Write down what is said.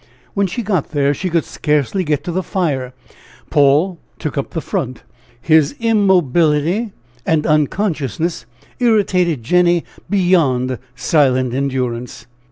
When she got there she could scarcely get to the fire; Paul took up the front. His immobility and unconsciousness irritated Jenny beyond silent endurance.